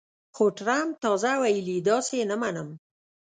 خو ټرمپ تازه ویلي، داسې یې نه منم